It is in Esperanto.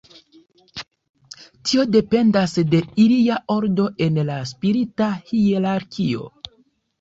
Tio dependas de ilia ordo en la spirita hierarkio.